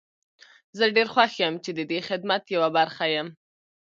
زه ډير خوښ يم چې ددې خدمت يوه برخه يم.